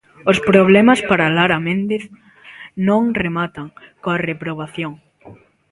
Os problemas para Lara Méndez non rematan coa reprobación.